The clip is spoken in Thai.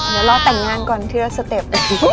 เดี๋ยวรอแต่งงานก่อนทีละสเต็ป